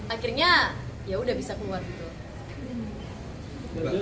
akhirnya ya udah bisa keluar gitu